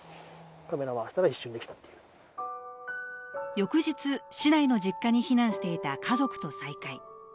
翌日、市内の実家に避難していた家族と再会。